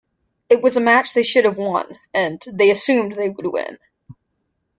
It was a match they should have won, and they assumed they would win.